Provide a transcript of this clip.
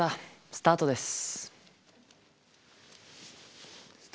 スタートです。